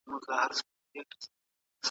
موږ باید د دې حالت په وړاندې ویښ سو.